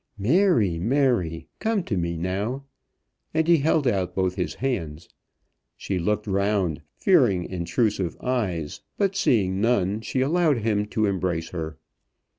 "Mary, Mary, come to me now." And he held out both his hands. She looked round, fearing intrusive eyes, but seeing none, she allowed him to embrace her.